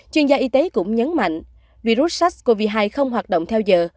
chuyên gia y tế cũng nhấn mạnh virus sars cov hai không hoạt động theo giờ